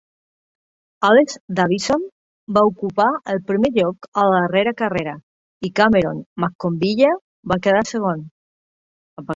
Alex Davison va ocupar el primer lloc a la darrera carrera i Cameron McConville va quedar segon.